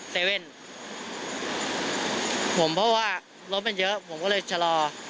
ผมเพราะว่ารถมันเยอะผมก็ไหลจะรอ